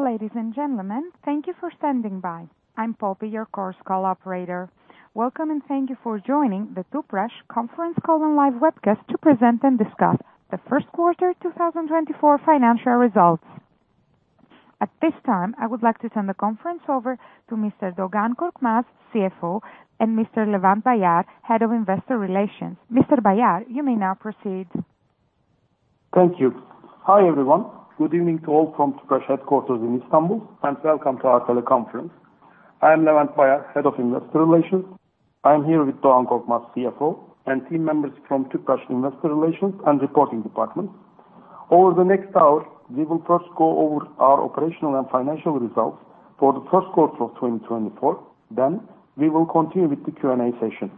Ladies and gentlemen, thank you for standing by. I'm Poppy, your conference call operator. Welcome, and thank you for joining the Tüpraş Conference Call and Live Webcast to present and discuss the first quarter 2024 financial results. At this time, I would like to turn the conference over to Mr. Doğan Korkmaz, CFO, and Mr. Levent Bayar, Head of Investor Relations. Mr. Bayar, you may now proceed. Thank you. Hi, everyone. Good evening to all from Tüpraş headquarters in Istanbul, and welcome to our teleconference. I am Levent Bayar, Head of Investor Relations. I'm here with Doğan Korkmaz, CFO, and team members from Tüpraş Investor Relations and Reporting Department. Over the next hour, we will first go over our operational and financial results for the first quarter of 2024, then we will continue with the Q&A session.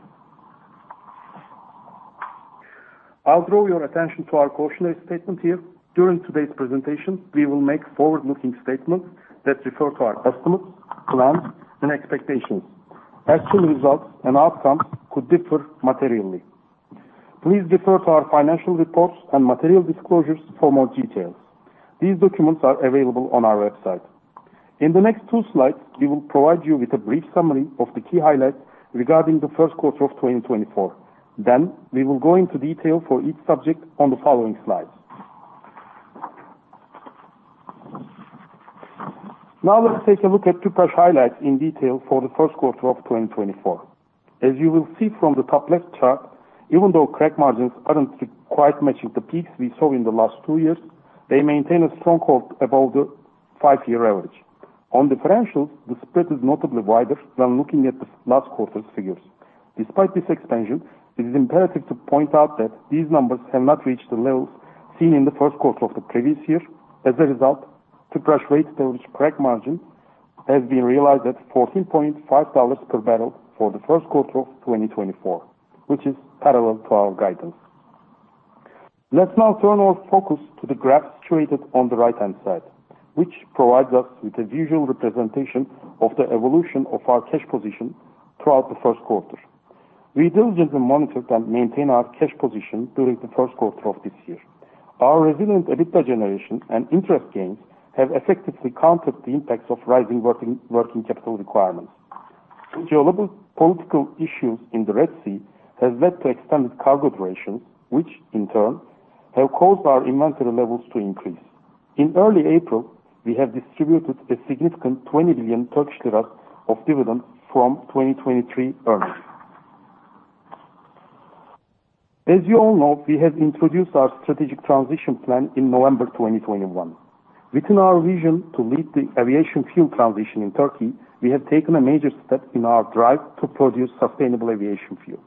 I'll draw your attention to our cautionary statement here. During today's presentation, we will make forward-looking statements that refer to our customers, plans, and expectations. Actual results and outcomes could differ materially. Please refer to our financial reports and material disclosures for more details. These documents are available on our website. In the next two slides, we will provide you with a brief summary of the key highlights regarding the first quarter of 2024. Then, we will go into detail for each subject on the following slides. Now, let's take a look at Tüpraş highlights in detail for the first quarter of 2024. As you will see from the top left chart, even though crack margins aren't quite matching the peaks we saw in the last two years, they maintain a strong hold above the five-year average. On the differentials, the spread is notably wider than looking at the last quarter's figures. Despite this expansion, it is imperative to point out that these numbers have not reached the levels seen in the first quarter of the previous year. As a result, Tüpraş realized average crack margin has been realized at $14.5 per barrel for the first quarter of 2024, which is parallel to our guidance. Let's now turn our focus to the graph situated on the right-hand side, which provides us with a visual representation of the evolution of our cash position throughout the first quarter. We diligently monitor and maintain our cash position during the first quarter of this year. Our resilient EBITDA generation and interest gains have effectively countered the impacts of rising working capital requirements. The geopolitical issues in the Red Sea has led to extended cargo durations, which in turn have caused our inventory levels to increase. In early April, we have distributed a significant 20 billion Turkish lira of dividend from 2023 earnings. As you all know, we have introduced our strategic transition plan in November 2021. Within our vision to lead the aviation fuel transition in Turkey, we have taken a major step in our drive to produce sustainable aviation fuel.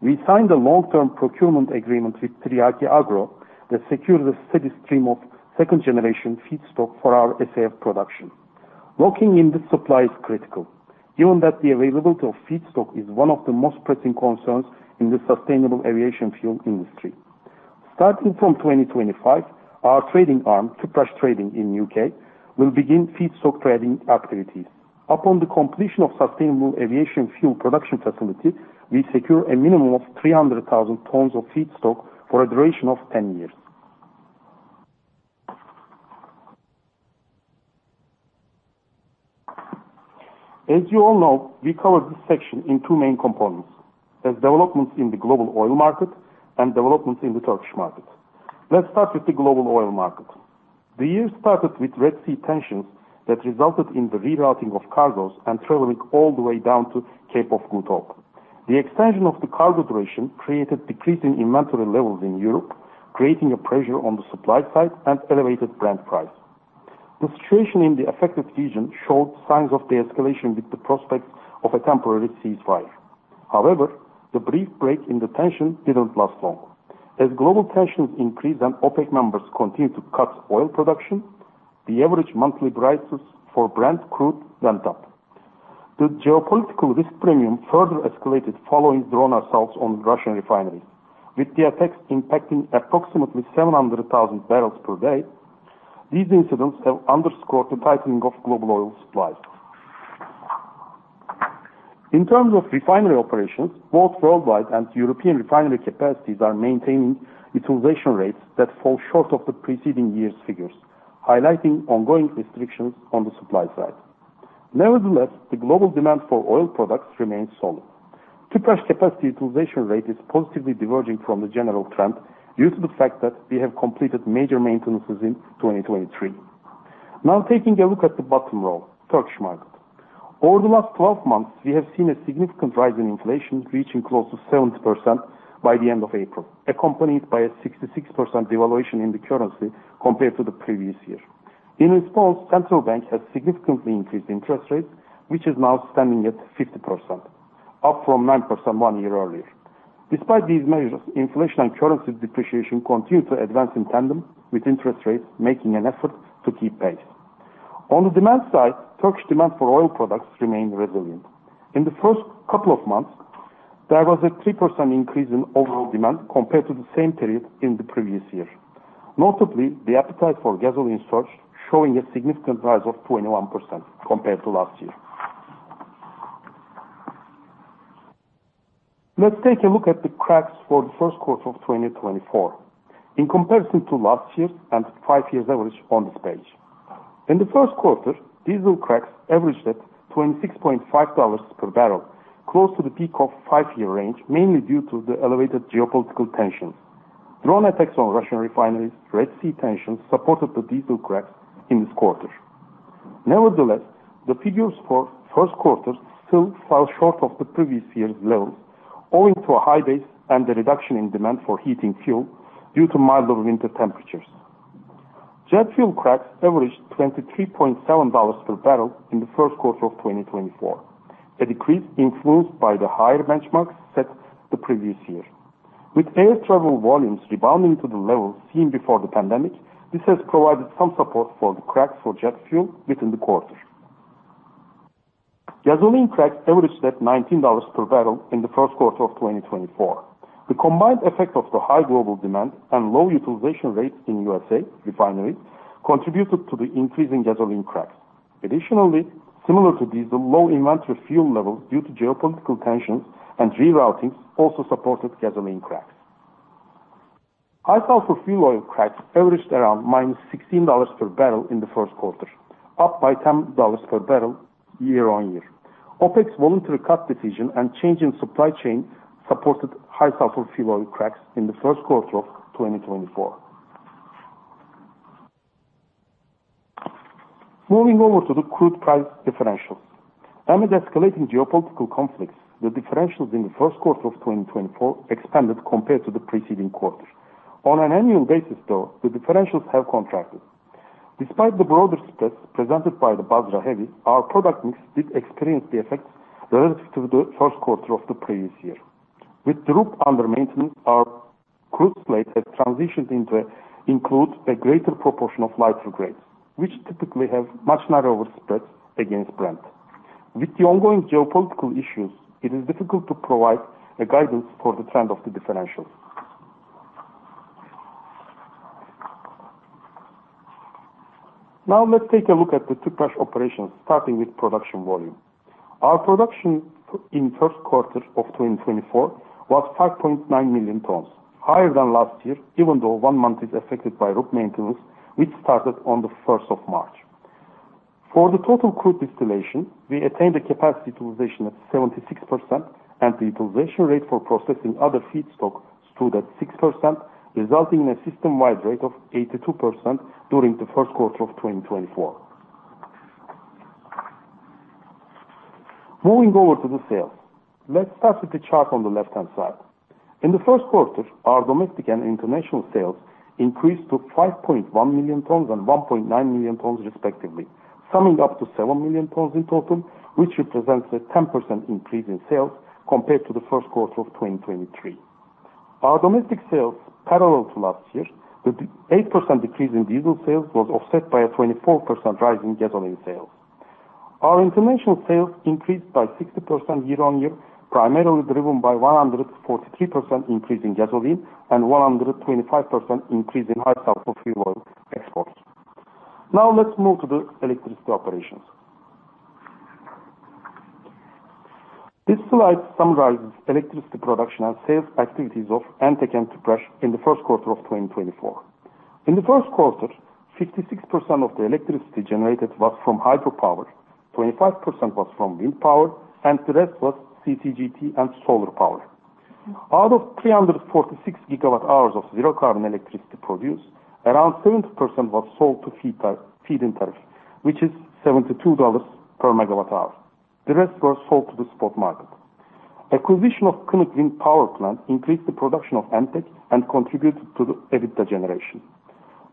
We signed a long-term procurement agreement with Tiryaki Agro that secured a steady stream of second-generation feedstock for our SAF production. Locking in this supply is critical, given that the availability of feedstock is one of the most pressing concerns in the sustainable aviation fuel industry. Starting from 2025, our trading arm, Tüpraş Trading in the U.K., will begin feedstock trading activities. Upon the completion of sustainable aviation fuel production facility, we secure a minimum of 300,000 tons of feedstock for a duration of 10 years. As you all know, we cover this section in two main components, as developments in the global oil market and developments in the Turkish market. Let's start with the global oil market. The year started with Red Sea tensions that resulted in the rerouting of cargos and traveling all the way down to Cape of Good Hope. The extension of the cargo duration created decreasing inventory levels in Europe, creating a pressure on the supply side and elevated Brent price. The situation in the affected region showed signs of de-escalation with the prospect of a temporary ceasefire. However, the brief break in the tension didn't last long. As global tensions increased and OPEC members continued to cut oil production, the average monthly prices for Brent crude went up. The geopolitical risk premium further escalated following drone assaults on Russian refineries, with the attacks impacting approximately 700,000 barrels per day. These incidents have underscored the tightening of global oil supplies. In terms of refinery operations, both worldwide and European refinery capacities are maintaining utilization rates that fall short of the preceding year's figures, highlighting ongoing restrictions on the supply side. Nevertheless, the global demand for oil products remains solid. Tüpraş capacity utilization rate is positively diverging from the general trend due to the fact that we have completed major maintenances in 2023. Now, taking a look at the bottom row, Turkish market. Over the last 12 months, we have seen a significant rise in inflation, reaching close to 70% by the end of April, accompanied by a 66% devaluation in the currency compared to the previous year. In response, Central Bank has significantly increased interest rates, which is now standing at 50%, up from 9% one year earlier. Despite these measures, inflation and currency depreciation continue to advance in tandem with interest rates, making an effort to keep pace. On the demand side, Turkish demand for oil products remained resilient. In the first couple of months, there was a 3% increase in overall demand compared to the same period in the previous year. Notably, the appetite for gasoline surged, showing a significant rise of 21% compared to last year. Let's take a look at the cracks for the first quarter of 2024 in comparison to last year and five-year average on this page. In the first quarter, diesel cracks averaged at $26.5 per barrel, close to the peak of five-year range, mainly due to the elevated geopolitical tensions. Drone attacks on Russian refineries, Red Sea tensions supported the diesel cracks in this quarter. Nevertheless, the figures for first quarter still fell short of the previous year's levels, owing to a high base and the reduction in demand for heating fuel due to milder winter temperatures. Jet fuel cracks averaged $23.7 per barrel in the first quarter of 2024, a decrease influenced by the higher benchmarks set the previous year. With air travel volumes rebounding to the levels seen before the pandemic, this has provided some support for the cracks for jet fuel within the quarter. Gasoline cracks averaged $19 per barrel in the first quarter of 2024. The combined effect of the high global demand and low utilization rates in U.S. refineries contributed to the increase in gasoline cracks. Additionally, similar to diesel, low inventory fuel levels due to geopolitical tensions and reroutings also supported gasoline cracks. High sulfur fuel oil cracks averaged around -$16 per barrel in the first quarter, up by $10 per barrel year-on-year. OPEC's voluntary cut decision and change in supply chain supported high sulfur fuel oil cracks in the first quarter of 2024. Moving over to the crude price differentials. Amid escalating geopolitical conflicts, the differentials in the first quarter of 2024 expanded compared to the preceding quarter. On an annual basis, though, the differentials have contracted. Despite the broader spreads presented by the Basra Heavy, our product mix did experience the effects relative to the first quarter of the previous year. With the RUP under maintenance, our crude slate has transitioned into includes a greater proportion of lighter grades, which typically have much narrower spreads against Brent. With the ongoing geopolitical issues, it is difficult to provide a guidance for the trend of the differentials. Now let's take a look at the Tüpraş operations, starting with production volume. Our production in first quarter of 2024 was 5.9 million tons, higher than last year, even though one month is affected by RUP maintenance, which started on the first of March. For the total crude distillation, we attained a capacity utilization of 76%, and the utilization rate for processing other feedstock stood at 6%, resulting in a system-wide rate of 82% during the first quarter of 2024. Moving over to the sales. Let's start with the chart on the left-hand side. In the first quarter, our domestic and international sales increased to 5.1 million tons and 1.9 million tons respectively, summing up to 7 million tons in total, which represents a 10% increase in sales compared to the first quarter of 2023. Our domestic sales, parallel to last year, the 8% decrease in diesel sales was offset by a 24% rise in gasoline sales. Our international sales increased by 60% year-on-year, primarily driven by 143% increase in gasoline and 125% increase in high sulfur fuel oil exports. Now let's move to the electricity operations. This slide summarizes electricity production and sales activities of Entek and Tüpraş in the first quarter of 2024. In the first quarter, 56% of the electricity generated was from hydropower, 25% was from wind power, and the rest was CCGT and solar power. Out of 346 GWh of zero-carbon electricity produced, around 70% was sold to feed-in tariff, which is $72 per MWh. The rest were sold to the spot market. Acquisition of Kınık Wind Power Plant increased the production of Entek and contributed to the EBITDA generation.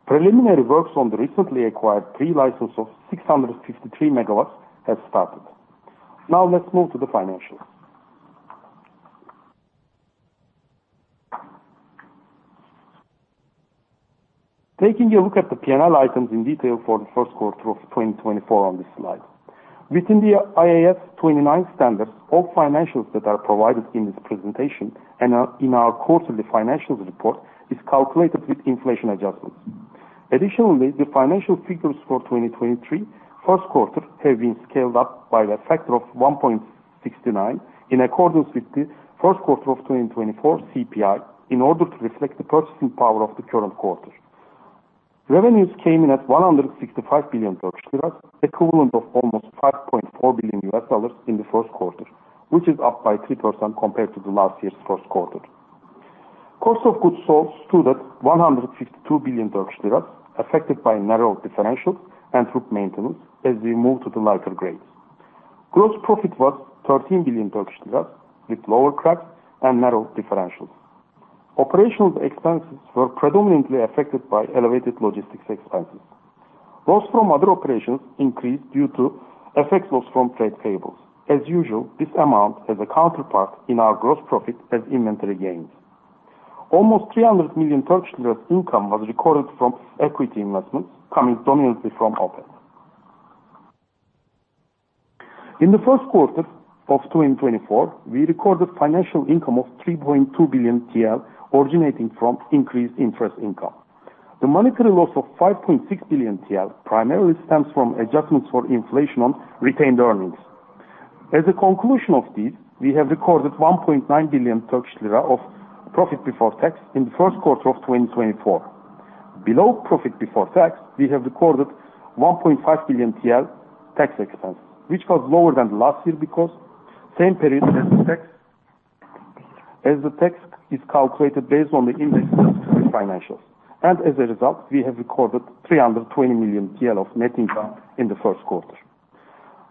Preliminary works on the recently acquired three licenses of 653 MW have started. Now let's move to the financials. Taking a look at the P&L items in detail for the first quarter of 2024 on this slide. Within the IAS 29 standards, all financials that are provided in this presentation and are in our quarterly financials report is calculated with inflation adjustments. Additionally, the financial figures for 2023 first quarter have been scaled up by a factor of 1.69, in accordance with the first quarter of 2024 CPI, in order to reflect the purchasing power of the current quarter. Revenues came in at 165 billion Turkish lira, equivalent of almost $5.4 billion in the first quarter, which is up by 3% compared to the last year's first quarter. Cost of goods sold stood at 152 billion Turkish lira, affected by narrow differentials and route maintenance as we move to the lighter grades. Gross profit was 13 billion Turkish lira, with lower cracks and narrow differentials. Operational expenses were predominantly affected by elevated logistics expenses. Loss from other operations increased due to effect loss from trade payables. As usual, this amount has a counterpart in our gross profit as inventory gains. Almost 300 million income was recorded from equity investments, coming dominantly from OPEC. In the first quarter of 2024, we recorded financial income of 3.2 billion TL, originating from increased interest income. The monetary loss of 5.6 billion TL primarily stems from adjustments for inflation on retained earnings. As a conclusion of this, we have recorded 1.9 billion Turkish lira of profit before tax in the first quarter of 2024. Below profit before tax, we have recorded 1.5 billion TL tax expense, which was lower than last year because same period as the tax, as the tax is calculated based on the index financials. And as a result, we have recorded 320 million TL of net income in the first quarter.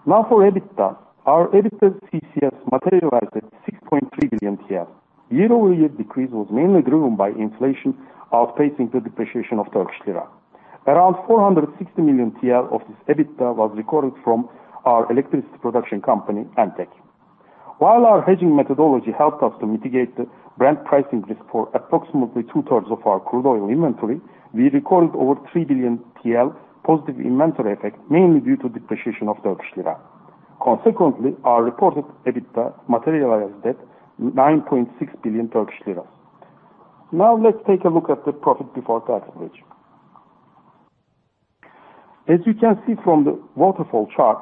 Now for EBITDA, our EBITDA CCS materialized at 6.3 billion. Year-over-year decrease was mainly driven by inflation outpacing the depreciation of Turkish lira. Around 460 million TL of this EBITDA was recorded from our electricity production company, Entek. While our hedging methodology helped us to mitigate the brand pricing risk for approximately two-thirds of our crude oil inventory, we recorded over 3 billion TL positive inventory effect, mainly due to depreciation of Turkish lira. Consequently, our reported EBITDA materialized at 9.6 billion Turkish lira. Now let's take a look at the profit before tax bridge. As you can see from the waterfall chart,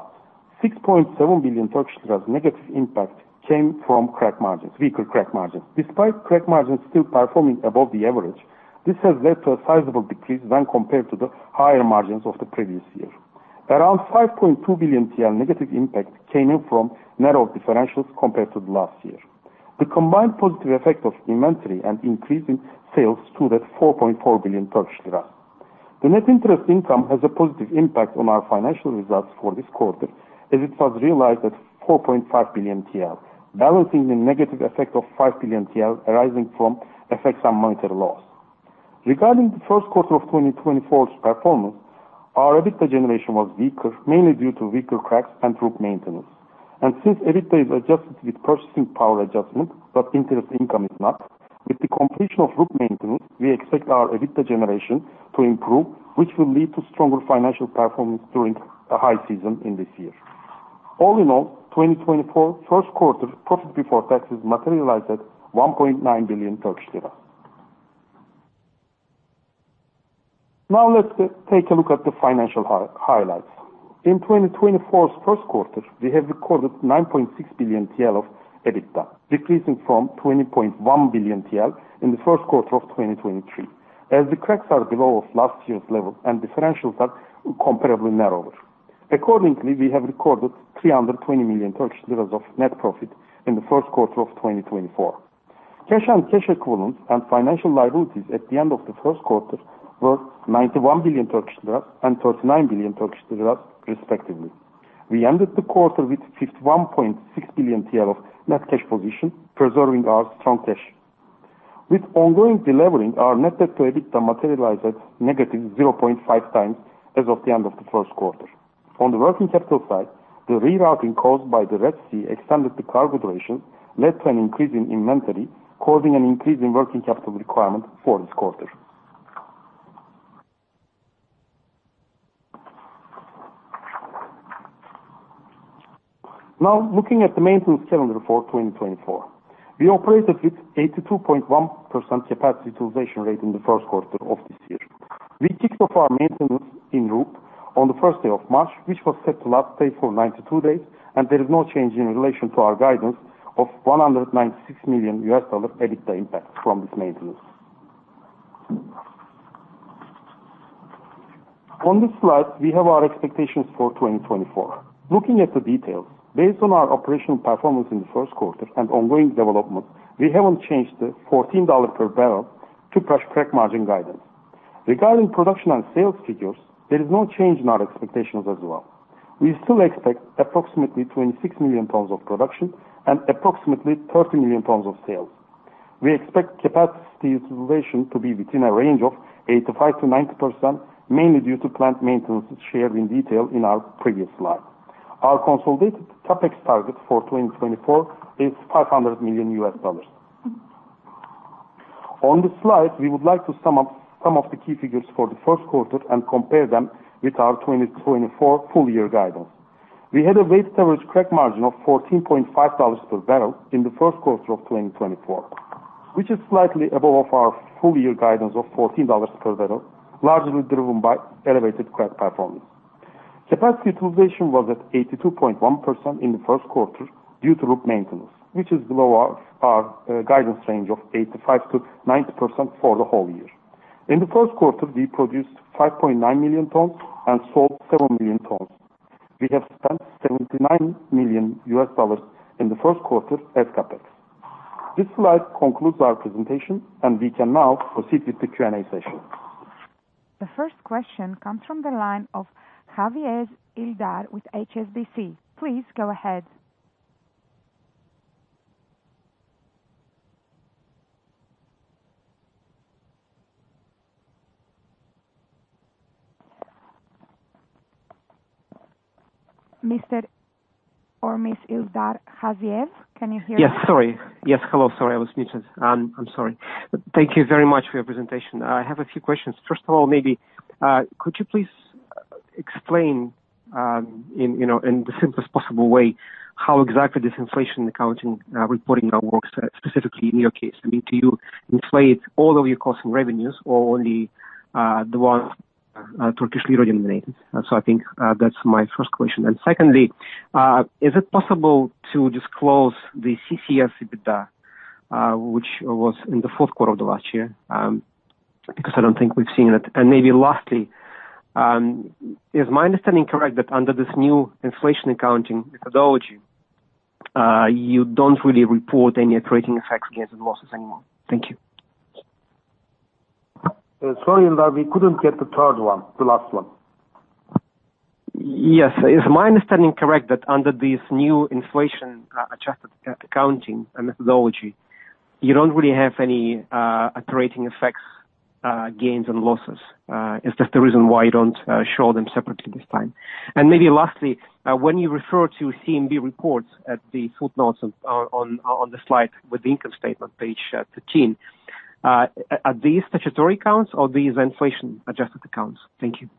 6.7 billion Turkish lira negative impact came from crack margins, weaker crack margins. Despite crack margins still performing above the average, this has led to a sizable decrease when compared to the higher margins of the previous year. Around 5.2 billion TL negative impact came in from narrow differentials compared to last year. The combined positive effect of inventory and increasing sales stood at 4.4 billion Turkish lira. The net interest income has a positive impact on our financial results for this quarter, as it was realized at 4.5 billion TL, balancing the negative effect of 5 billion TL arising from effects on monetary loss. Regarding the first quarter of 2024's performance, our EBITDA generation was weaker, mainly due to weaker cracks and RUP maintenance. And since EBITDA is adjusted with purchasing power adjustment, but interest income is not, with the completion of RUP maintenance, we expect our EBITDA generation to improve, which will lead to stronger financial performance during the high season in this year. All in all, 2024 first quarter profit before taxes materialized at 1.9 billion Turkish lira. Now let's take a look at the financial highlights. In 2024's first quarter, we have recorded 9.6 billion TL of EBITDA, decreasing from 20.1 billion TL in the first quarter of 2023. As the crack margins are below last year's level and differentials are comparably narrower. Accordingly, we have recorded TRY 320 million of net profit in the first quarter of 2024. Cash and cash equivalents and financial liabilities at the end of the first quarter were TRY 91 billion and TRY 39 billion respectively. We ended the quarter with 51.6 billion TL of net cash position, preserving our strong cash. With ongoing delevering, our net debt to EBITDA materialized at -0.5 times as of the end of the first quarter. On the working capital side, the rerouting caused by the Red Sea extended the cargo duration, led to an increase in inventory, causing an increase in working capital requirement for this quarter. Now, looking at the maintenance calendar for 2024. We operated with 82.1% capacity utilization rate in the first quarter of this year. We kicked off our RUP maintenance on the first day of March, which was set to last 92 days, and there is no change in relation to our guidance of $196 million EBITDA impact from this maintenance. On this slide, we have our expectations for 2024. Looking at the details, based on our operational performance in the first quarter and ongoing development, we haven't changed the $14 per barrel full year crack margin guidance. Regarding production and sales figures, there is no change in our expectations as well. We still expect approximately 26 million tons of production and approximately 30 million tons of sales. We expect capacity utilization to be within a range of 85%-90%, mainly due to plant maintenance shared in detail in our previous slide. Our consolidated CapEx target for 2024 is $500 million. On this slide, we would like to sum up some of the key figures for the first quarter and compare them with our 2024 full year guidance. We had a weighted average crack margin of $14.5 per barrel in the first quarter of 2024, which is slightly above our full year guidance of $14 per barrel, largely driven by elevated crack performance. Capacity utilization was at 82.1% in the first quarter due to group maintenance, which is below our guidance range of 85%-90% for the whole year. In the first quarter, we produced 5.9 million tons and sold 7 million tons. We have spent $79 million in the first quarter as CapEx. This slide concludes our presentation, and we can now proceed with the Q&A session. The first question comes from the line of Ildar Khaziev with HSBC. Please go ahead. Mr. or Miss Ildar Khaziev, can you hear me? Yes, sorry. Yes, hello, sorry, I was muted. I'm sorry. Thank you very much for your presentation. I have a few questions. First of all, maybe, could you please-... explain, you know, in the simplest possible way, how exactly this inflation accounting reporting works, specifically in your case? I mean, do you inflate all of your costs and revenues or only the one Turkish lira denominated? So I think that's my first question. And secondly, is it possible to disclose the CCS EBITDA, which was in the fourth quarter of the last year? Because I don't think we've seen it. And maybe lastly, is my understanding correct that under this new inflation accounting methodology, you don't really report any trading effects, gains, and losses anymore? Thank you. Sorry, Hildar, we couldn't get the third one, the last one. Yes. Is my understanding correct that under this new inflation adjusted accounting and methodology, you don't really have any operating effects gains, and losses? Is that the reason why you don't show them separately this time? And maybe lastly, when you refer to CMB reports at the footnotes on the slide with the income statement, Page 13, are these statutory accounts or these inflation adjusted accounts? Thank you.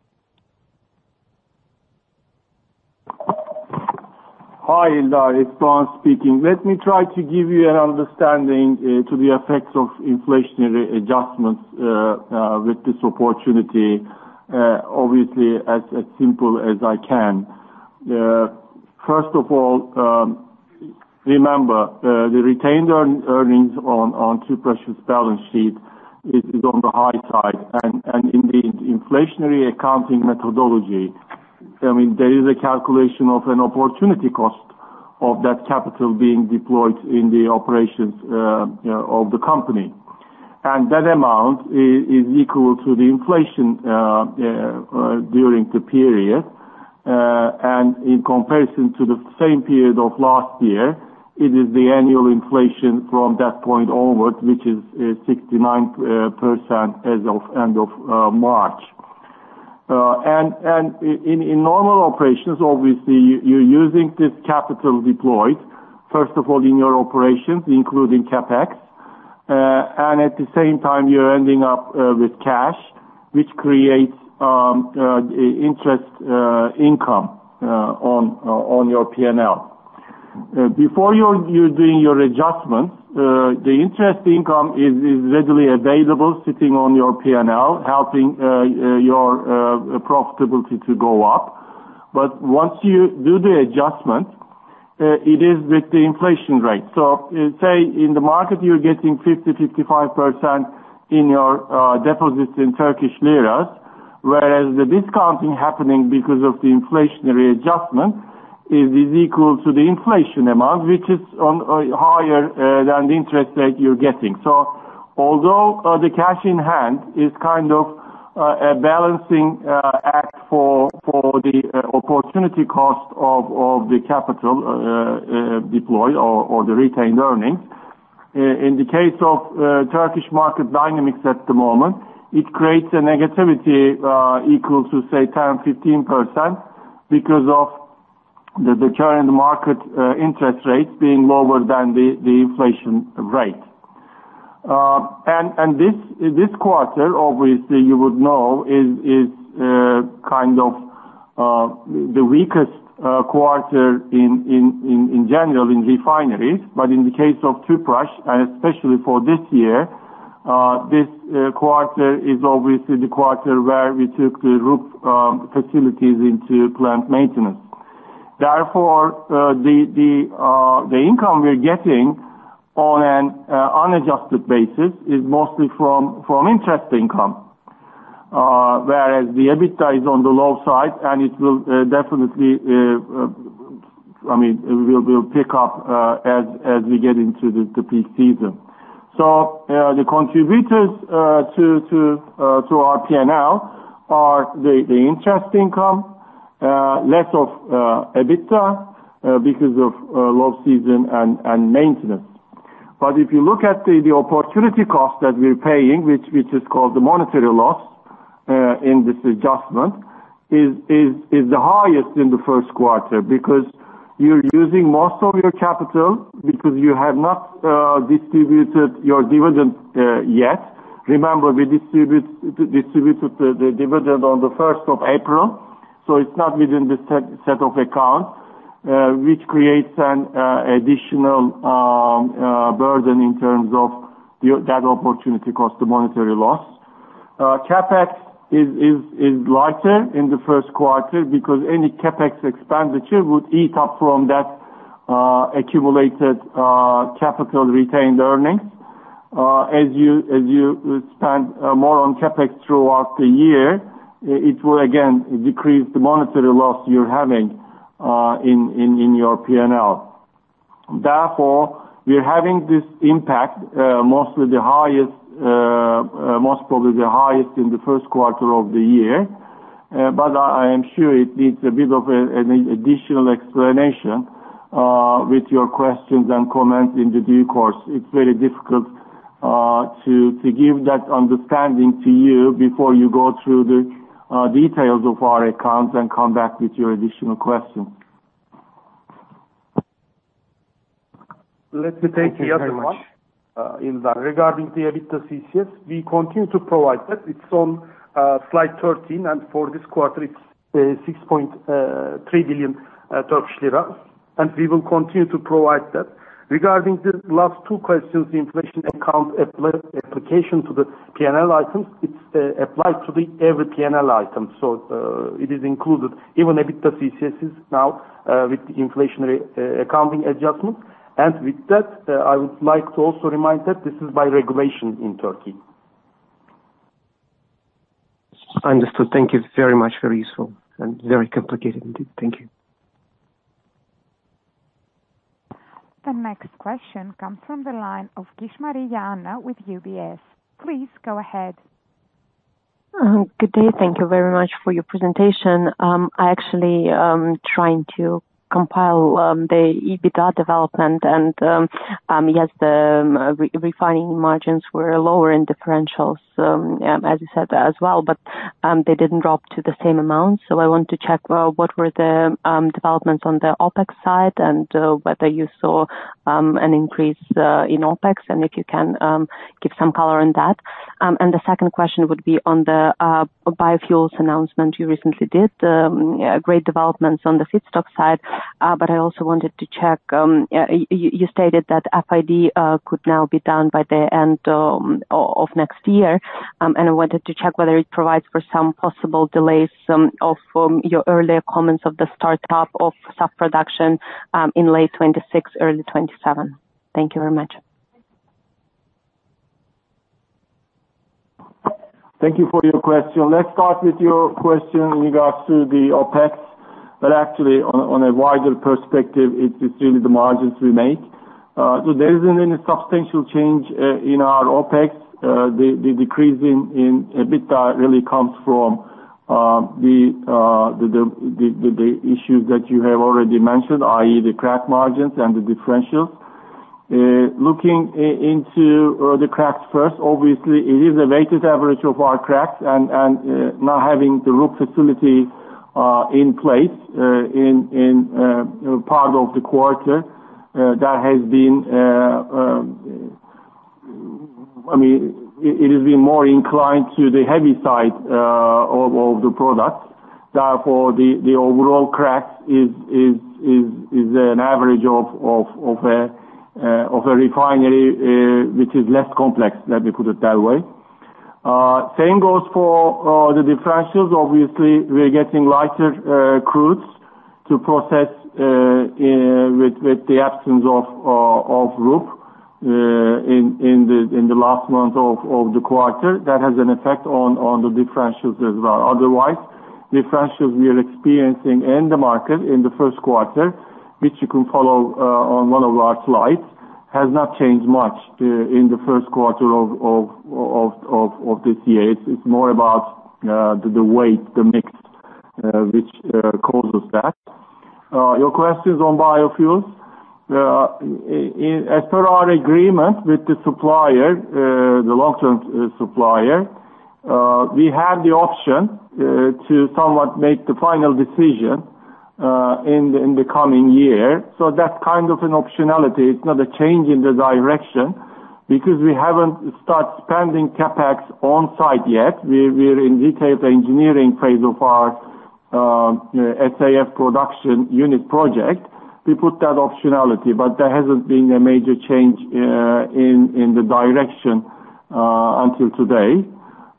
Hi, Javier, it's Doğan speaking. Let me try to give you an understanding to the effects of inflationary adjustments with this opportunity, obviously, as simple as I can. First of all, remember the retained earnings on Tüpraş's balance sheet is on the high side. And in the inflationary accounting methodology, I mean, there is a calculation of an opportunity cost of that capital being deployed in the operations of the company. And that amount is equal to the inflation during the period. And in comparison to the same period of last year, it is the annual inflation from that point onward, which is 69% as of end of March. In normal operations, obviously, you're using this capital deployed, first of all, in your operations, including CapEx. And at the same time, you're ending up with cash, which creates interest income on your P&L. Before you're doing your adjustments, the interest income is readily available, sitting on your P&L, helping your profitability to go up. But once you do the adjustment, it is with the inflation rate. So let's say, in the market, you're getting 50%-55% in your deposits in Turkish liras, whereas the discounting happening because of the inflationary adjustment is equal to the inflation amount, which is higher than the interest rate you're getting. So although the cash in hand is kind of a balancing act for the opportunity cost of the capital deployed or the retained earnings, in the case of Turkish market dynamics at the moment, it creates a negative carry equal to, say, 10%-15% because of the current market interest rates being lower than the inflation rate. And this quarter, obviously, you would know, is kind of the weakest quarter in general in refineries. But in the case of Tüpraş, and especially for this year, this quarter is obviously the quarter where we took the RUP facilities into plant maintenance. Therefore, the income we are getting on an unadjusted basis is mostly from interest income, whereas the EBITDA is on the low side, and it will definitely... I mean, we will pick up as we get into the peak season. So, the contributors to our P&L are the interest income, less of EBITDA because of low season and maintenance. But if you look at the opportunity cost that we're paying, which is called the monetary loss in this adjustment, is the highest in the first quarter. Because you're using most of your capital because you have not distributed your dividend yet. Remember, we distributed the dividend on the 1st of April, so it's not within this set of accounts, which creates an additional burden in terms of that opportunity cost, the monetary loss. CapEx is lighter in the first quarter because any CapEx expenditure would eat up from that accumulated capital retained earnings. As you spend more on CapEx throughout the year, it will again decrease the monetary loss you're having in your P&L. Therefore, we are having this impact, mostly the highest, most probably the highest in the first quarter of the year. But I am sure it needs a bit of an additional explanation with your questions and comments in due course. It's very difficult to give that understanding to you before you go through the details of our accounts and come back with your additional questions. Let me take the other one regarding the EBITDA CCS, we continue to provide that. It's on slide 13, and for this quarter, it's 6.3 billion Turkish lira, and we will continue to provide that. Regarding the last two questions, the inflation account application to the P&L items, it's applied to the every P&L item. So, it is included even EBITDA CCS is now with the inflationary accounting adjustment. And with that, I would like to also remind that this is by regulation in Turkey. Understood. Thank you very much. Very useful and very complicated indeed. Thank you. The next question comes from the line of Marianna Gish with UBS. Please go ahead. Good day. Thank you very much for your presentation. I actually trying to compile the EBITDA development, and yes, the refining margins were lower in differentials, as you said as well. But they didn't drop to the same amount, so I want to check what were the developments on the OpEx side, and whether you saw an increase in OpEx, and if you can give some color on that. And the second question would be on the biofuels announcement you recently did. Yeah, great developments on the feedstock side, but I also wanted to check, you stated that FID could now be done by the end of next year. I wanted to check whether it provides for some possible delays off from your earlier comments of the start-up of SAF production in late 2026, early 2027. Thank you very much. Thank you for your question. Let's start with your question in regards to the OpEx, but actually, on a wider perspective, it's really the margins we make. So there isn't any substantial change in our OpEx. The decrease in EBITDA really comes from the issues that you have already mentioned, i.e., the crack margins and the differentials. Looking into the cracks first, obviously it is a weighted average of our cracks and not having the RUP facility in place in part of the quarter. That has been, I mean, it has been more inclined to the heavy side of the products. Therefore, the overall crack is an average of a refinery, which is less complex, let me put it that way. Same goes for the differentials. Obviously, we are getting lighter crudes to process with the absence of RUP in the last month of the quarter. That has an effect on the differentials as well. Otherwise, differentials we are experiencing in the market in the first quarter, which you can follow on one of our slides, has not changed much in the first quarter of this year. It's more about the weight, the mix, which causes that. Your questions on biofuels. In as per our agreement with the supplier, the long-term supplier, we have the option to somewhat make the final decision in the coming year. So that's kind of an optionality. It's not a change in the direction because we haven't start spending CapEx on site yet. We're in detailed engineering phase of our SAF production unit project. We put that optionality, but there hasn't been a major change in the direction until today.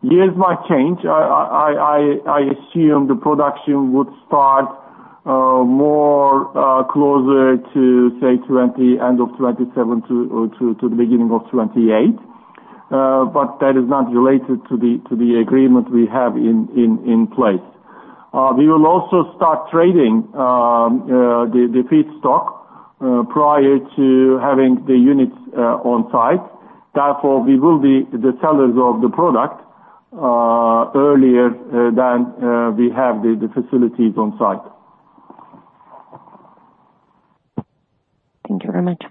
Years might change. I assume the production would start more closer to, say, end of 2027 to or to the beginning of 2028. But that is not related to the agreement we have in place. We will also start trading the feedstock prior to having the units on site. Therefore, we will be the sellers of the product earlier than we have the facilities on site. Thank you very much.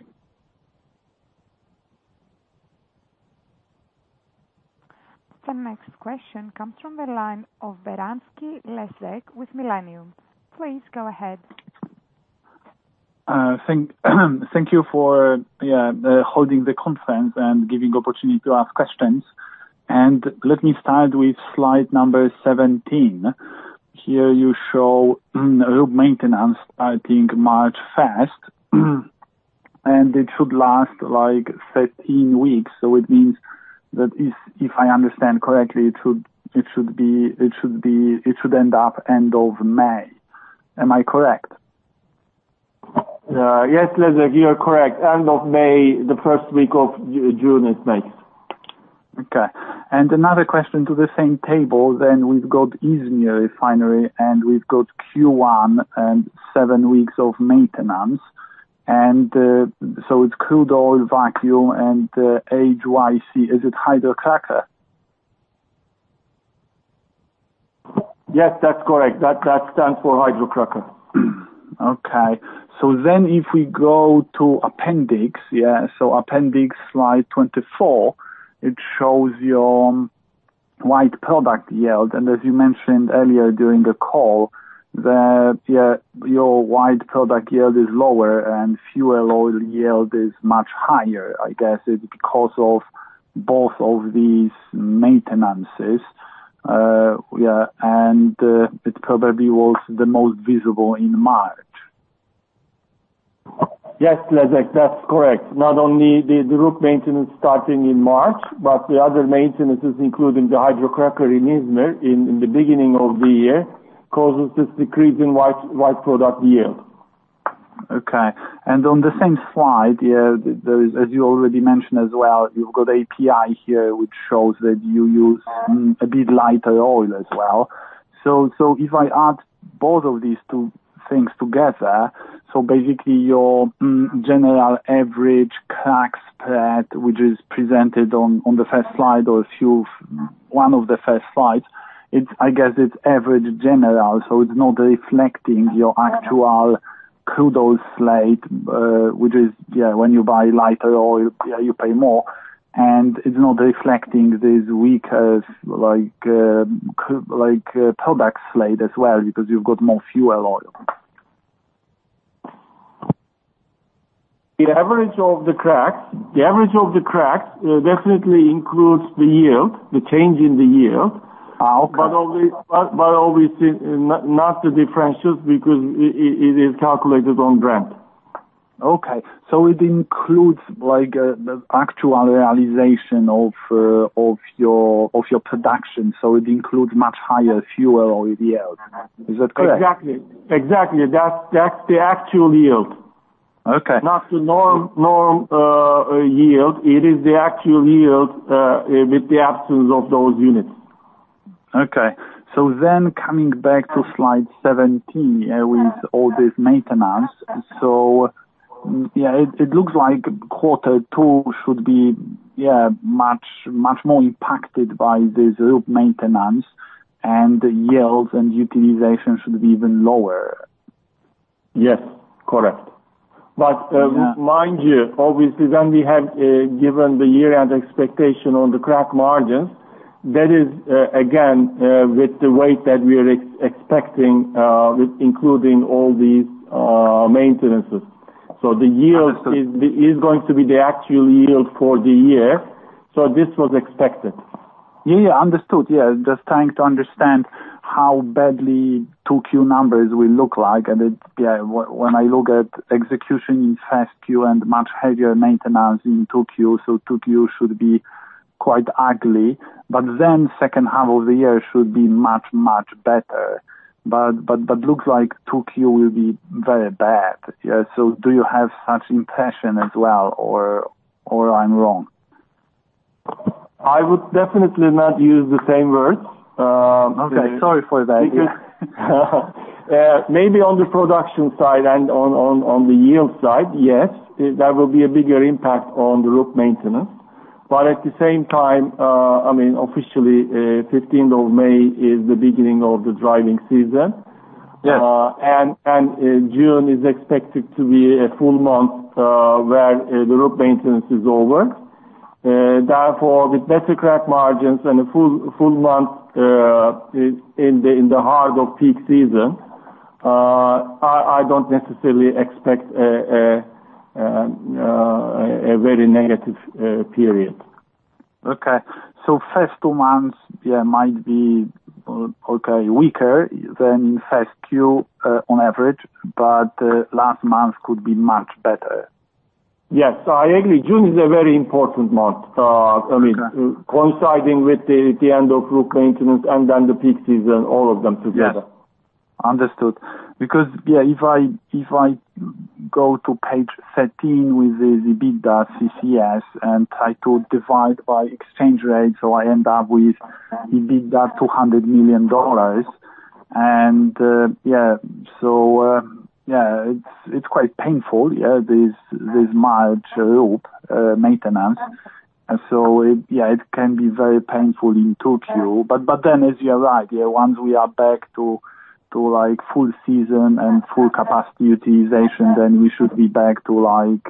The next question comes from the line of Leszek Barański with Millennium. Please go ahead. Thank you for holding the conference and giving opportunity to ask questions. And let me start with slide number 17. Here you show maintenance starting March first, and it should last like 13 weeks. So it means that if I understand correctly, it should end up end of May. Am I correct? Yes, Leszek, you are correct. End of May, the first week of June, it makes. Okay. And another question to the same table then. We've got Izmir Refinery, and we've got Q1 and 7 weeks of maintenance, and so it's crude oil vacuum and HYC. Is it hydrocracker? Yes, that's correct. That stands for hydrocracker. Okay. So then if we go to appendix, yeah, so appendix Slide 24, it shows your white product yield, and as you mentioned earlier during the call, that, yeah, your white product yield is lower, and fuel oil yield is much higher. I guess it's because of both of these maintenances, yeah, and it probably was the most visible in March. Yes, Leszek, that's correct. Not only the RUP maintenance starting in March, but the other maintenances, including the hydrocracker in Izmir in the beginning of the year, causes this decrease in white product yield. Okay. And on the same slide, yeah, there is, as you already mentioned as well, you've got API here, which shows that you use a bit lighter oil as well. So if I add both of these two things together, basically, your general average crack spread, which is presented on the first slide or a few, one of the first slides, it's I guess it's average general, so it's not reflecting your actual crude oil slate, which is, yeah, when you buy lighter oil, yeah, you pay more. And it's not reflecting this weaker like, like, product slate as well, because you've got more fuel oil. The average of the crack definitely includes the yield, the change in the yield. Ah, okay. But obviously, not the differentials, because it is calculated on Brent. Okay. So it includes like, the actual realization of, of your, of your production, so it includes much higher fuel oil yield. Is that correct? Exactly. Exactly. That's, that's the actual yield. Okay. Not the normal yield. It is the actual yield with the absence of those units. Okay. So then coming back to Slide 17, with all this maintenance, so yeah, it, it looks like quarter two should be, yeah, much, much more impacted by this RUP maintenance, and the yields and utilization should be even lower. Yes, correct. But, mind you, obviously, when we have given the year-end expectation on the crack margins, that is, again, with the weight that we are expecting, with including all these maintenances. So the yield- Understood... is going to be the actual yield for the year. So this was expected. Yeah, yeah, understood. Yeah, just trying to understand how badly 2Q numbers will look like. And it, yeah, when I look at execution in 1Q and much heavier maintenance in 2Q, so 2Q should be quite ugly. But then second half of the year should be much, much better. But, but, but looks like 2Q will be very bad. Yeah, so do you have such impression as well, or, or I'm wrong? I would definitely not use the same words. Okay. Sorry for that. Maybe on the production side and on the yield side, yes, there will be a bigger impact on the RUP maintenance. But at the same time, I mean, officially, fifteenth of May is the beginning of the driving season. Yes. June is expected to be a full month where the RUP maintenance is over. Therefore, with better crack margins and a full month in the heart of peak season, I don't necessarily expect a very negative period. Okay. First two months, yeah, might be okay, weaker than in first Q on average, but last month could be much better. Yes, I agree. June is a very important month. Okay. I mean, coinciding with the end of RUP maintenance and then the peak season, all of them together. Yes. Understood. Because, yeah, if I go to Page 13 with the EBITDA CCS, and try to divide by exchange rate, so I end up with EBITDA $200 million. And, yeah, so, yeah, it's quite painful, yeah, this March RUP maintenance. And so it, yeah, it can be very painful in 2Q. But then as you're right, yeah, once we are back to, to like, full season and full capacity utilization, then we should be back to like,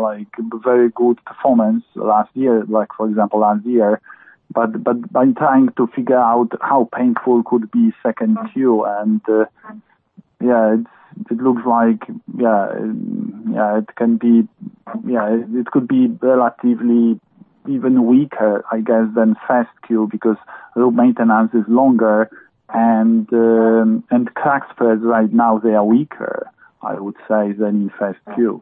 like, very good performance last year, like, for example, last year. But I'm trying to figure out how painful could be second Q, and, yeah, it's, it looks like, yeah, yeah, it can be... Yeah, it could be relatively even weaker, I guess, than Q1, because RUP maintenance is longer, and crack spreads right now, they are weaker, I would say, than in Q1.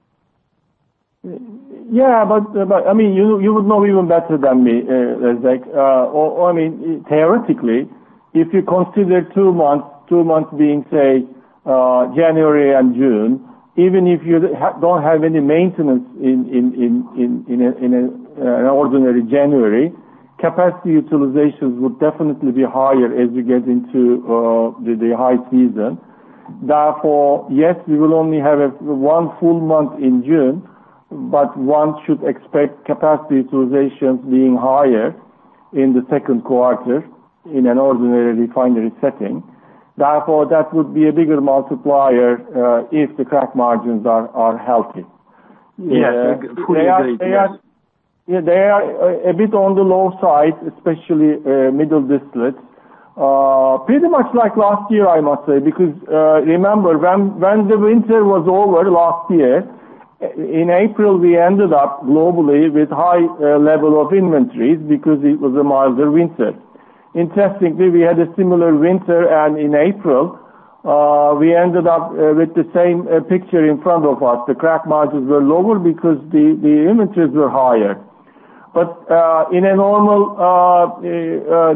Yeah, but, but, I mean, you, you would know even better than me, Leszek. Or, or I mean, theoretically, if you consider two months, two months being, say, January and June, even if you don't have any maintenance in, in, in, in, in a, in a, an ordinary January, capacity utilizations would definitely be higher as you get into, the, the high season. Therefore, yes, we will only have 1 full month in June, but one should expect capacity utilizations being higher in the second quarter in an ordinary refinery setting. Therefore, that would be a bigger multiplier, if the crack margins are, are healthy. Yes, they are, they are, yeah, they are, a bit on the low side, especially, middle distillate. Pretty much like last year, I must say, because remember, when the winter was over last year, in April, we ended up globally with high level of inventories because it was a milder winter. Interestingly, we had a similar winter, and in April, we ended up with the same picture in front of us. The crack margins were lower because the inventories were higher. But in a normal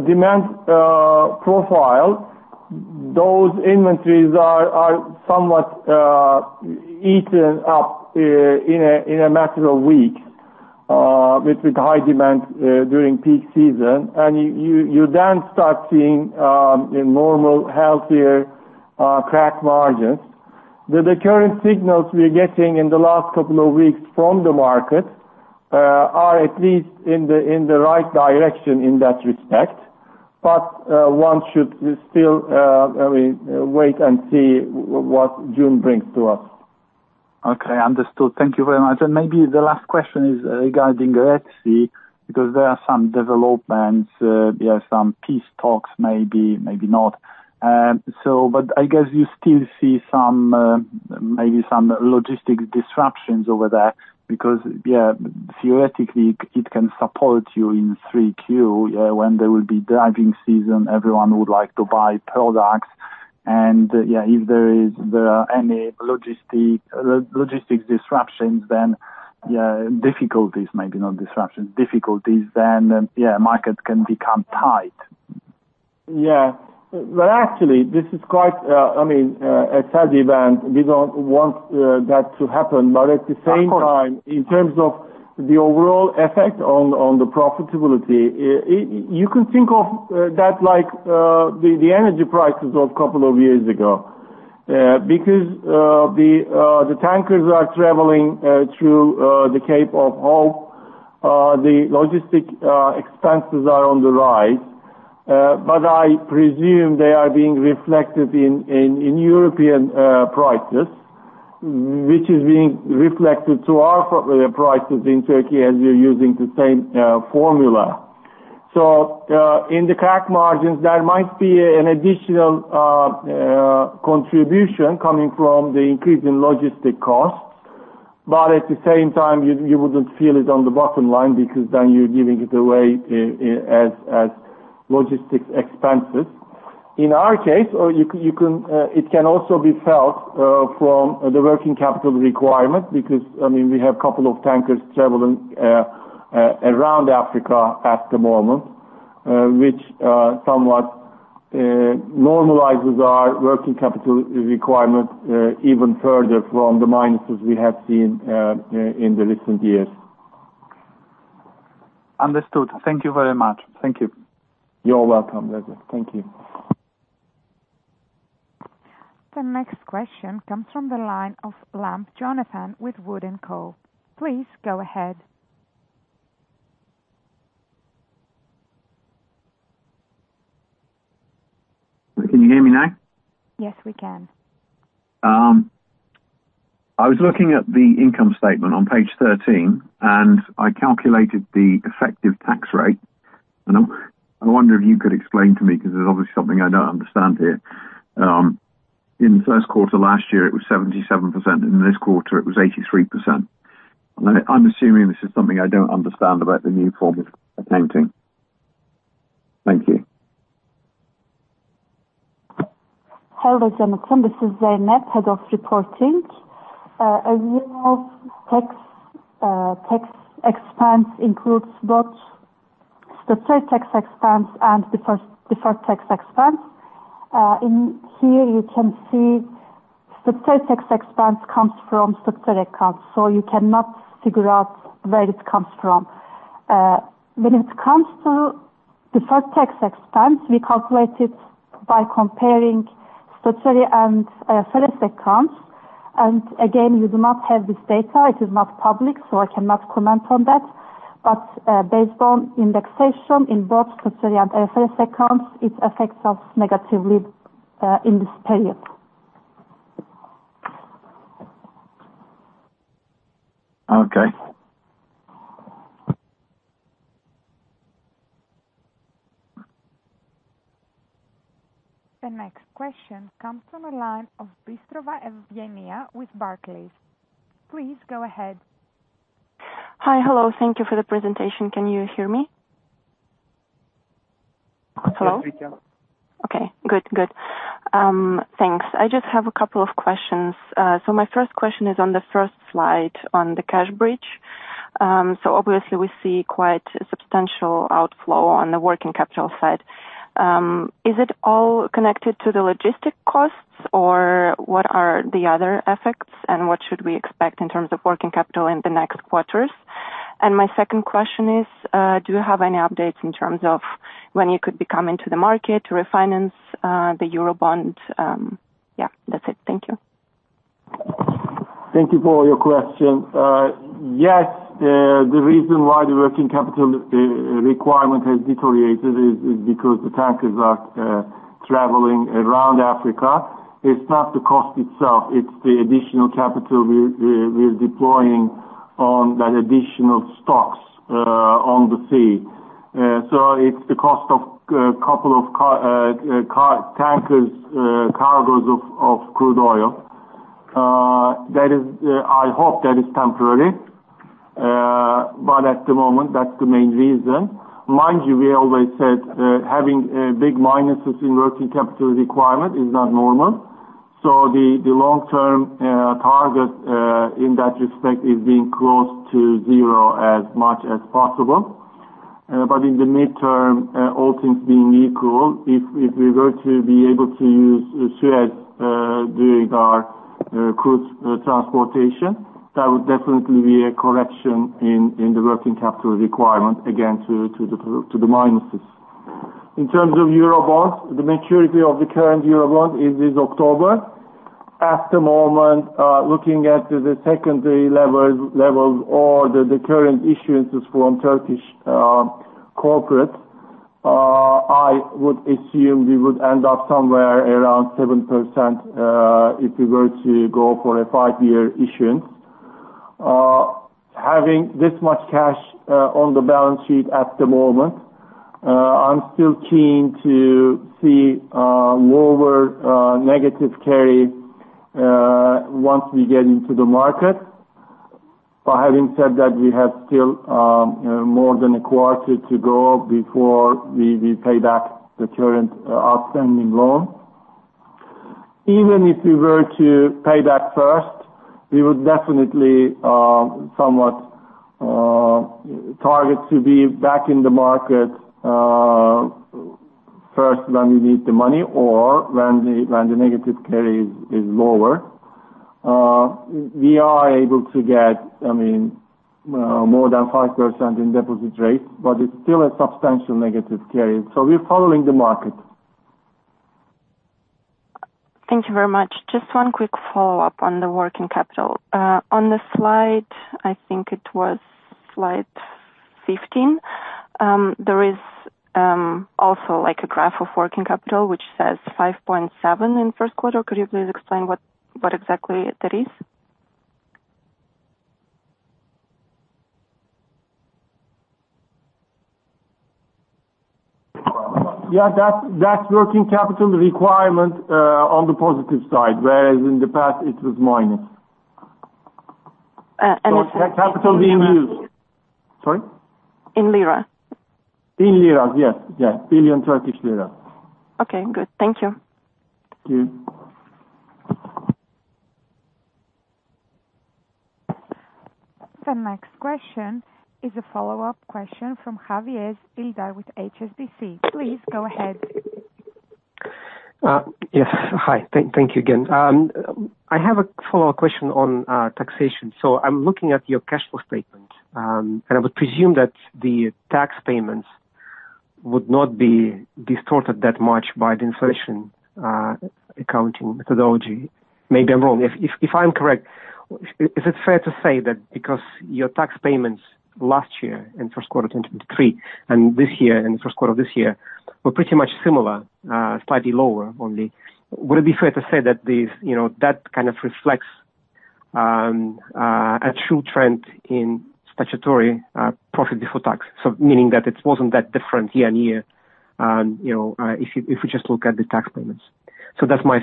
demand profile, those inventories are somewhat eaten up in a matter of weeks with high demand during peak season. And you then start seeing a normal, healthier crack margins. The current signals we're getting in the last couple of weeks from the market are at least in the right direction in that respect, but one should still, I mean, wait and see what June brings to us. Okay, understood. Thank you very much. And maybe the last question is regarding Red Sea, because there are some developments, there are some peace talks, maybe, maybe not. So but I guess you still see some, maybe some logistics disruptions over there, because, yeah, theoretically, it can support you in Q3, when there will be driving season, everyone would like to buy products. And yeah, if there is any logistics disruptions, then, yeah, difficulties, maybe not disruptions, difficulties, then yeah, markets can become tight. Yeah. Well, actually, this is quite, I mean, a sad event. We don't want that to happen. But at the same time, of course, in terms of the overall effect on the profitability, you can think of that like the energy prices of couple of years ago. Because the tankers are traveling through the Cape of Good Hope, the logistics expenses are on the rise. But I presume they are being reflected in European prices, which is being reflected to our product prices in Turkey, as we're using the same formula. So, in the crack margins, there might be an additional contribution coming from the increase in logistics costs, but at the same time, you wouldn't feel it on the bottom line because then you're giving it away as logistics expenses. In our case, it can also be felt from the working capital requirement, because, I mean, we have a couple of tankers traveling around Africa at the moment, which somewhat normalizes our working capital requirement even further from the minuses we have seen in the recent years. Understood. Thank you very much. Thank you. You're welcome, Leszek. Thank you. The next question comes from the line of Jonathan Lamb with Wood & Co. Please go ahead. Can you hear me now? Yes, we can. I was looking at the income statement on Page 13, and I calculated the effective tax rate. I wonder if you could explain to me, 'cause there's obviously something I don't understand here. In the first quarter last year, it was 77%, and in this quarter, it was 83%. I'm assuming this is something I don't understand about the new form of accounting. Thank you. Hello, Jonathan, this is Zeynep, head of reporting. Annual tax, tax expense includes both the tax expense and the first, the first tax expense. In here you can see the tax expense comes from accounts, so you cannot figure out where it comes from. When it comes to the first tax expense, we calculate it by comparing statutory and accounts. And again, we do not have this data. It is not public, so I cannot comment on that. But based on indexation in both accounts, it affects us negatively in this period. Okay. The next question comes from the line of Evgeniya Bystrova with Barclays. Please go ahead. Hi. Hello. Thank you for the presentation. Can you hear me? Hello? Yes, we can. Okay, good. Good. Thanks. I just have a couple of questions. So my first question is on the first slide on the cash bridge. So obviously we see quite a substantial outflow on the working capital side. Is it all connected to the logistic costs, or what are the other effects, and what should we expect in terms of working capital in the next quarters? And my second question is, do you have any updates in terms of when you could be coming to the market to refinance the Eurobond? Yeah, that's it. Thank you. Thank you for your question. Yes, the reason why the working capital requirement has deteriorated is because the tankers are traveling around Africa. It's not the cost itself, it's the additional capital we're deploying on that additional stocks on the sea. So it's the cost of a couple of crude tankers, cargoes of crude oil. That is, I hope that is temporary. But at the moment, that's the main reason. Mind you, we always said that having big minuses in working capital requirement is not normal. So the long-term target in that respect is being close to zero as much as possible. But in the midterm, all things being equal, if we were to be able to use Suez during our cruise transportation, that would definitely be a correction in the working capital requirement, again, to the minuses. In terms of Eurobonds, the maturity of the current Eurobond is this October. At the moment, looking at the secondary levels or the current issuances from Turkish corporate, I would assume we would end up somewhere around 7% if we were to go for a five-year issuance. Having this much cash on the balance sheet at the moment, I'm still keen to see lower negative carry once we get into the market. But having said that, we have still more than a quarter to go before we pay back the current outstanding loan. Even if we were to pay back first, we would definitely somewhat target to be back in the market first, when we need the money or when the negative carry is lower. We are able to get, I mean, more than 5% in deposit rate, but it's still a substantial negative carry, so we're following the market. Thank you very much. Just one quick follow-up on the working capital. On the slide, I think it was slide 15, there is also, like, a graph of working capital, which says 5.7 in first quarter. Could you please explain what, what exactly that is? Yeah, that's, that's working capital requirement on the positive side, whereas in the past it was minus. and it's- So capital being used. Sorry? In lira. In liras, yes, yes. Billion Turkish lira. Okay, good. Thank you. Thank you. The next question is a follow-up question from Javier Hildar with HSBC. Please go ahead. Yes. Hi. Thank you again. I have a follow-up question on taxation. So I'm looking at your cash flow statement, and I would presume that the tax payments would not be distorted that much by the inflation accounting methodology. Maybe I'm wrong. If I'm correct, is it fair to say that because your tax payments last year in first quarter 2023, and this year, in the first quarter of this year, were pretty much similar, slightly lower only? Would it be fair to say that these, you know, that kind of reflects a true trend in statutory profit before tax? So meaning that it wasn't that different year-on-year, you know, if you just look at the tax payments. So that's my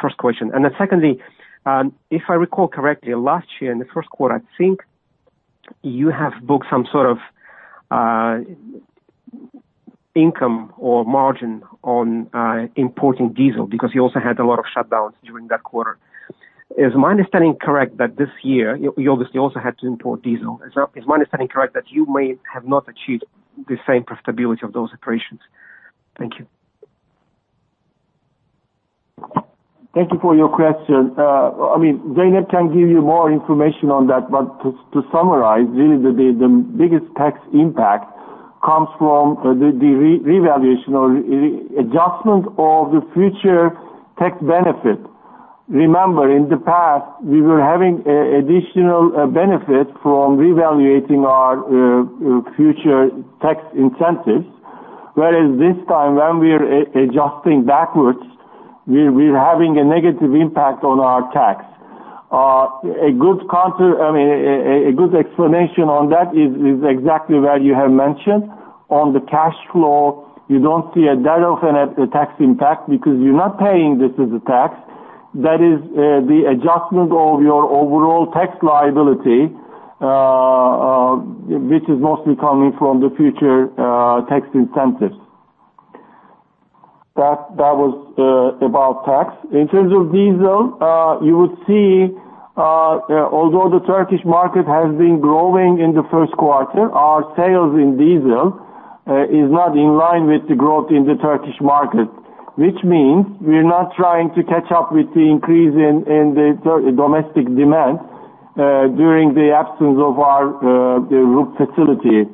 first question. And then secondly, if I recall correctly, last year in the first quarter, I think you have booked some sort of income or margin on importing diesel because you also had a lot of shutdowns during that quarter. Is my understanding correct, that this year, you obviously also had to import diesel? Is my understanding correct, that you may have not achieved the same profitability of those operations? Thank you. Thank you for your question. I mean, Zeynep can give you more information on that, but to summarize, really, the biggest tax impact comes from the revaluation or readjustment of the future tax benefit. Remember, in the past, we were having additional benefit from revaluating our future tax incentives, whereas this time, when we are adjusting backwards, we're having a negative impact on our tax. A good counter... I mean, a good explanation on that is exactly what you have mentioned. On the cash flow, you don't see a delta on a tax impact because you're not paying this as a tax. That is the adjustment of your overall tax liability, which is mostly coming from the future tax incentives. That was about tax. In terms of diesel, you would see, although the Turkish market has been growing in the first quarter, our sales in diesel is not in line with the growth in the Turkish market, which means we're not trying to catch up with the increase in the Turkish domestic demand during the absence of our RUP facility.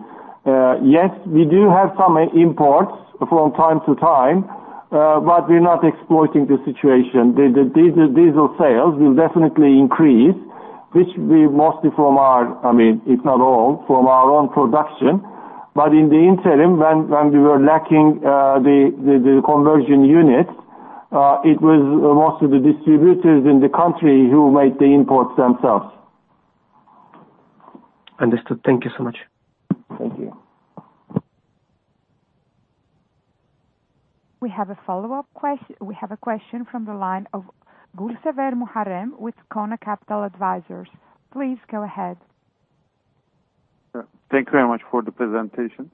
Yes, we do have some imports from time to time, but we're not exploiting the situation. The diesel sales will definitely increase, which we mostly from our, I mean, if not all, from our own production. But in the interim, when we were lacking the conversion units, it was most of the distributors in the country who made the imports themselves. Understood. Thank you so much. Thank you. We have a follow-up question from the line of Muharrem Gürsever with Kona Capital Advisors. Please go ahead. Thank you very much for the presentation.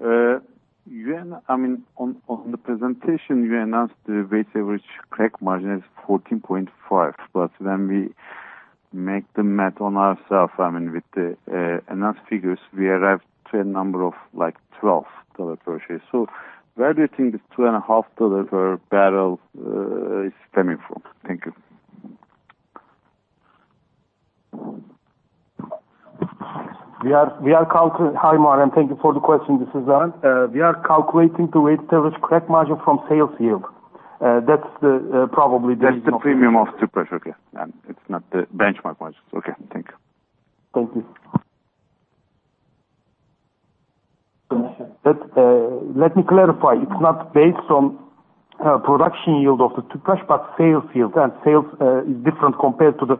You, and I mean, on, on the presentation, you announced the weighted average crack margin is 14.5, but when we make the math on ourselves, I mean, with the announced figures, we arrived to a number of like $12 per share. So where do you think this $2.5 per barrel is coming from? Thank you. Hi, Muharrem, thank you for the question. This is Erhan. We are calculating the weighted average crack margin from sales yield. That's the, probably the- That's the premium of Tüpraş, okay, and it's not the benchmark margin. Okay, thank you. Thank you. But, let me clarify. It's not based on production yield of the Tüpraş but sales yield, and sales is different compared to the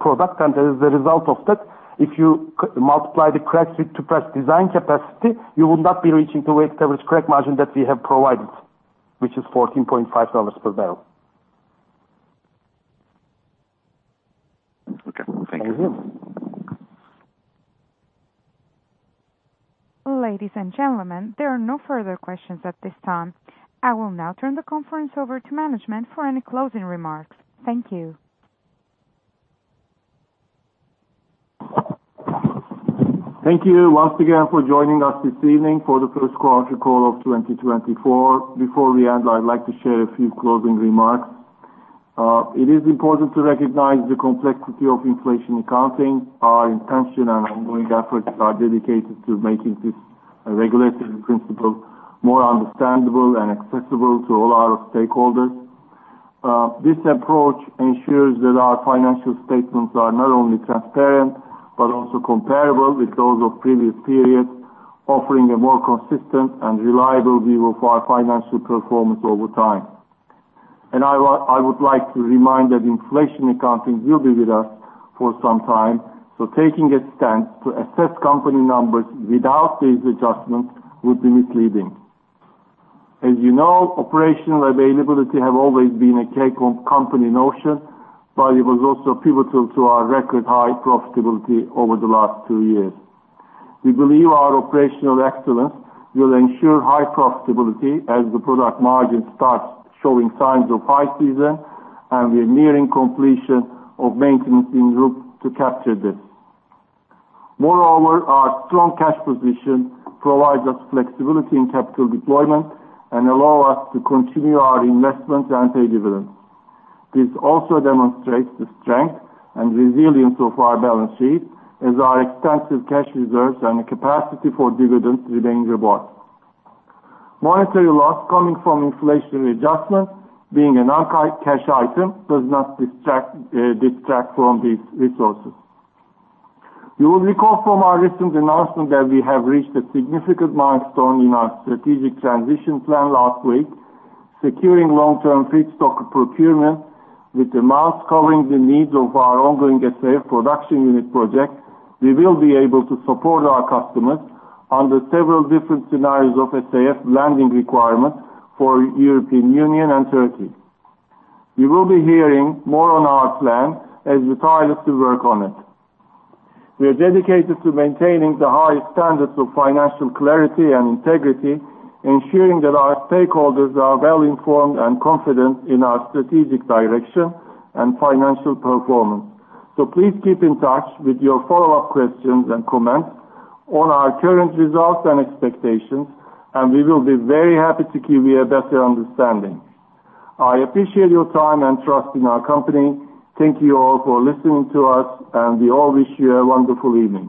product. And as a result of that, if you multiply the crack with Tüpraş design capacity, you will not be reaching the weighted average crack margin that we have provided, which is $14.5 per barrel. Okay. Thank you. Thank you. Ladies and gentlemen, there are no further questions at this time. I will now turn the conference over to management for any closing remarks. Thank you. Thank you once again for joining us this evening for the first quarter call of 2024. Before we end, I'd like to share a few closing remarks. It is important to recognize the complexity of inflation accounting. Our intention and ongoing efforts are dedicated to making this a regulatory principle more understandable and accessible to all our stakeholders. This approach ensures that our financial statements are not only transparent, but also comparable with those of previous periods, offering a more consistent and reliable view of our financial performance over time. And I would like to remind that inflation accounting will be with us for some time, so taking a stance to assess company numbers without these adjustments would be misleading. As you know, operational availability have always been a key company notion, but it was also pivotal to our record high profitability over the last two years. We believe our operational excellence will ensure high profitability as the product margin starts showing signs of high season, and we are nearing completion of RUP maintenance to capture this. Moreover, our strong cash position provides us flexibility in capital deployment and allow us to continue our investments and pay dividends. This also demonstrates the strength and resilience of our balance sheet, as our extensive cash reserves and the capacity for dividends remains robust. Monetary loss coming from inflationary adjustments, being a non-cash item, does not distract from these resources. You will recall from our recent announcement that we have reached a significant milestone in our strategic transition plan last week, securing long-term feedstock procurement. With amounts covering the needs of our ongoing SAF production unit project, we will be able to support our customers under several different scenarios of SAF Blending requirements for European Union and Turkey. You will be hearing more on our plan as we tirelessly work on it. We are dedicated to maintaining the highest standards of financial clarity and integrity, ensuring that our stakeholders are well informed and confident in our strategic direction and financial performance. Please keep in touch with your follow-up questions and comments on our current results and expectations, and we will be very happy to give you a better understanding. I appreciate your time and trust in our company. Thank you all for listening to us, and we all wish you a wonderful evening.